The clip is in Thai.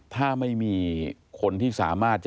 ถ้าไม่มีคนที่สามารถจะ